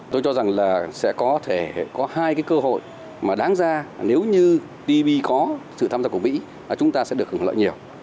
tôi cho rằng là sẽ có thể có hai cái cơ hội mà đáng ra nếu như tv có sự tham gia của mỹ chúng ta sẽ được hưởng lợi nhiều